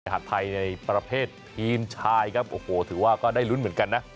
หัดไทยในประเภททีมชายครับโอ้โหถือว่าก็ได้ลุ้นเหมือนกันนะ